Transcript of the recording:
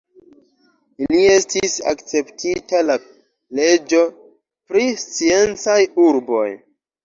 La estis akceptita la leĝo pri sciencaj urboj.